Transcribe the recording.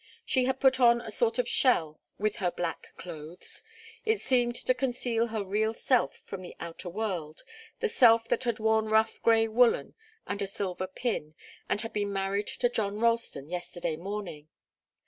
She had put on a sort of shell with her black clothes. It seemed to conceal her real self from the outer world, the self that had worn rough grey woollen and a silver pin and had been married to John Ralston yesterday morning.